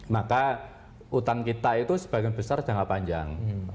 maka hutan kita itu sebagian besar jangka panjang